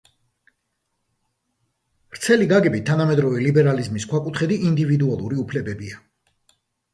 ვრცელი გაგებით თანამედროვე ლიბერალიზმის ქვაკუთხედი ინდივიდუალური უფლებებია.